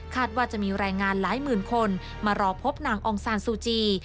ว่าจะมีแรงงานหลายหมื่นคนมารอพบนางองซานซูจี